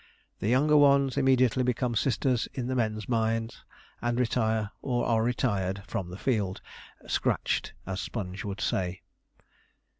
The younger ones immediately become sisters in the men's minds, and retire, or are retired, from the field "scratched," as Sponge would say.